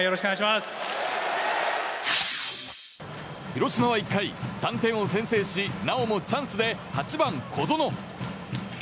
広島は１回、３点を先制しなおもチャンスで８番、小園。